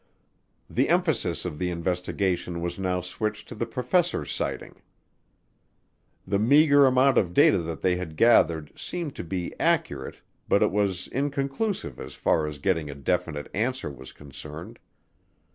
The emphasis of the investigation was now switched to the professors' sighting. The meager amount of data that they had gathered seemed to be accurate but it was inconclusive as far as getting a definite answer was concerned.